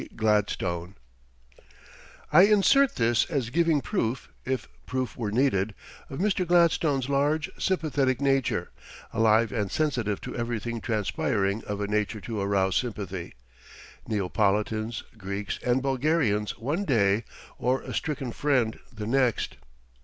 GLADSTONE I insert this as giving proof, if proof were needed, of Mr. Gladstone's large, sympathetic nature, alive and sensitive to everything transpiring of a nature to arouse sympathy Neapolitans, Greeks, and Bulgarians one day, or a stricken friend the next.